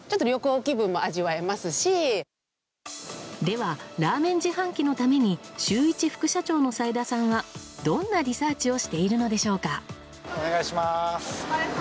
では、ラーメン自販機のために週１副社長の斉田さんはどんなリサーチをしているんでしょうか。